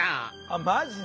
マジで？